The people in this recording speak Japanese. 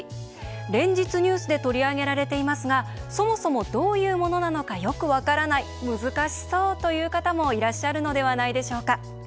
連日、ニュースで取り上げられていますがそもそも、どういうものなのかよく分からない、難しそうという方も、いらっしゃるのではないでしょうか。